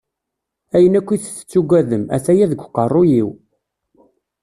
Ayen akkit tettugadem, ataya deg aqerru-iw.